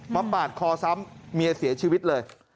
ปาดคอซ้ำเมียเสียชีวิตเลย